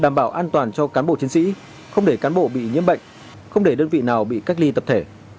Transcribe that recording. đảm bảo an toàn cho cán bộ chiến sĩ không để cán bộ bị nhiễm bệnh không để đơn vị nào bị cách ly tập thể